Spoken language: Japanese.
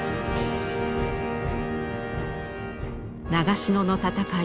長篠の戦い